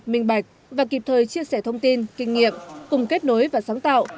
minh bạch và kịp thời chia sẻ thông tin kinh nghiệm cùng kết nối và sáng tạo